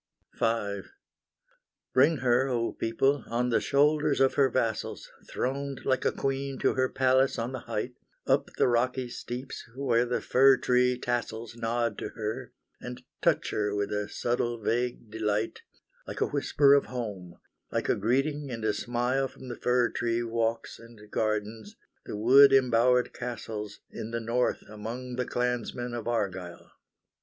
V Bring her, O people, on the shoulders of her vassals Throned like a queen to her palace on the height, Up the rocky steeps where the fir tree tassels Nod to her, and touch her with a subtle, vague delight, Like a whisper of home, like a greeting and a smile From the fir tree walks and gardens, the wood embowered castles In the north among the clansmen of Argyle.